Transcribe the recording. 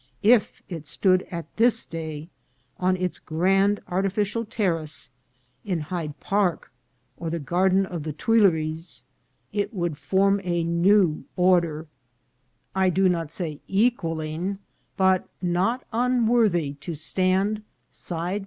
If it stood at this day on its grand artifi cial terrace in Hyde Park or the Garden of the Tuil eries, it would form a new order, I do not say equal 430 INCIDENTS OF TRAVEL.